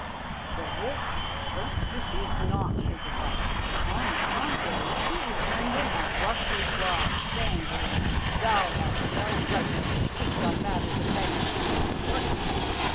The wolf, however, received not his advice; on the contrary, he returned him a rough reply, saying to him, "Thou hast no right to speak on matters of magnitude and importance."